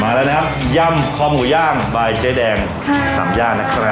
มาแล้วนะครับย่ำคอหมูย่างใบเจ๊แดง๓ย่างนะครับ